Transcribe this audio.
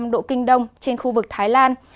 một trăm linh ba năm độ kinh đông trên khu vực thái lan